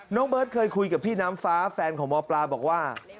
เบิร์ตเคยคุยกับพี่น้ำฟ้าแฟนของหมอปลาบอกว่า